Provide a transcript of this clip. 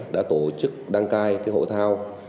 đã tổ chức đăng cai hội thao